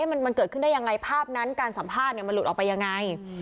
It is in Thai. มันเกิดขึ้นได้ยังไงภาพนั้นการสัมภาษณ์มันหลุดออกไปยังไง